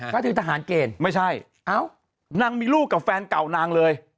ก็คือทหารเกณฑ์ไม่ใช่เอ้านางมีลูกกับแฟนเก่านางเลย